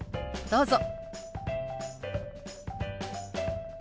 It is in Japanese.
どうぞ。